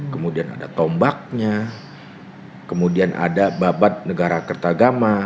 kemudian ada tombaknya kemudian ada babat negara kertagama